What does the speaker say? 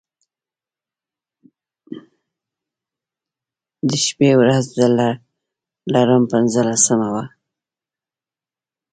د شبې و رځ د لړم پنځلسمه وه.